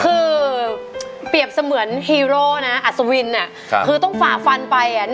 คือเปรียบเสมือนฮีโร่นะอัศวินอ่ะค่ะคือต้องฝากฟันไปอ่ะ